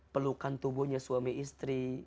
pelukan tubuhnya suami istri